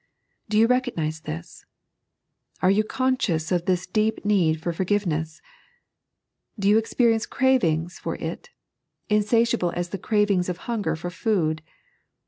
Do you recognise this ! Are you conscious of this deep need for forgiveness? Do you experience cravings for it — insatiable as the cravings of hunger for food